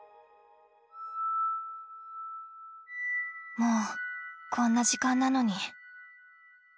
もうこんな時間なのに。